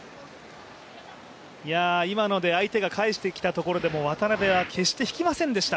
今ので相手が返してきたところでも渡辺は決して引きませんでした。